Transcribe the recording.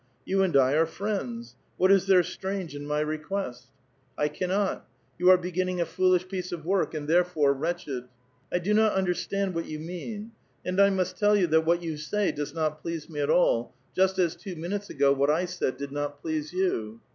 You and I are friends. What is there strange in my request ?" A VITAL QUESTION. 249 I cauDot. You are beginning a foolish piece of work, and, therefore, wretched." *' I do not understand what 3'ou mean. And I must tell you that what you say does not please me at all ; just as two minutes ago what I said did not please you."